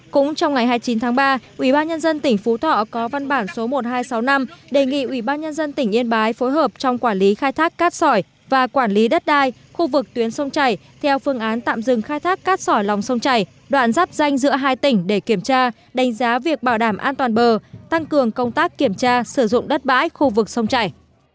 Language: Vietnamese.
cũng trong ngày hai mươi chín tháng ba ubnd tỉnh phú thọ có văn bản số một nghìn hai trăm sáu mươi năm đề nghị ubnd tỉnh yên bái phối hợp trong quản lý khai thác cát sỏi và quản lý đất đai khu vực tuyến sông chảy theo phương án tạm dừng khai thác cát sỏi lỏng sông chảy đoạn dắp danh giữa hai tỉnh để kiểm tra đánh giá việc bảo đảm an toàn bờ tăng cường công tác kiểm tra sử dụng đất bãi khu vực sông chảy